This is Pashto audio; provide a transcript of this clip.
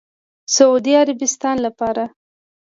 سعودي عربستان لپاره